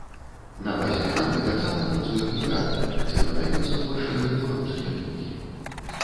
На базе крамы таксама працуе кнігарня, дзе прадаюцца збольшага беларускія кнігі.